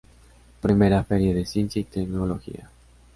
Primera Feria de Ciencia y Tecnología.